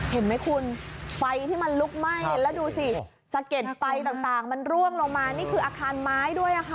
เห็นไหมคุณไฟที่มันลุกไหม้แล้วดูสิสะเก็ดไฟต่างมันร่วงลงมานี่คืออาคารไม้ด้วยค่ะ